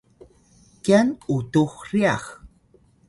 kyan utux ryax